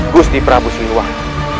gusti prabu seliwangi